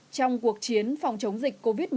trong cuộc chiến phòng chống dịch covid một mươi chín